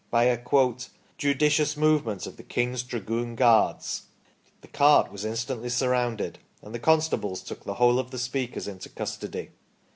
By a "judicious movement" of the King's Dragoon Guards, the cart was instantly surrounded and the constables took the whole of the speakers into custody.